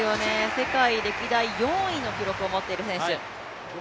世界歴代４位の記録を持っている選手。